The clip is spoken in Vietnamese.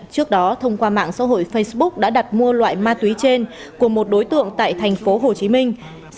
trước đó thông qua mạng xã hội facebook đã đặt mua loại ma túy trên của một đối tượng tại thành phố hồ chí minh